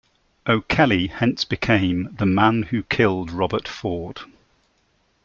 O'Kelley hence became "the man who killed Robert Ford".